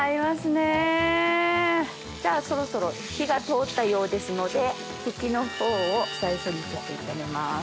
じゃあそろそろ火が通ったようですので茎の方を最初にちょっと炒めます。